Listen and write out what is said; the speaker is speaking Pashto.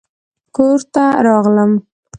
کور ته راغلم